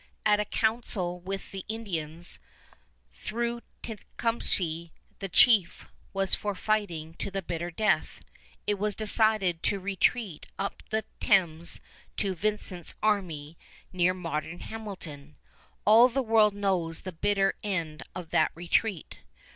At a council with the Indians, though Tecumseh, the chief, was for fighting to the bitter death, it was decided to retreat up the Thames to Vincent's army near modern Hamilton. All the world knows the bitter end of that retreat.